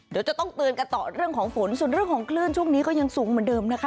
เดี๋ยวจะต้องเตือนกันต่อเรื่องของฝนส่วนเรื่องของคลื่นช่วงนี้ก็ยังสูงเหมือนเดิมนะคะ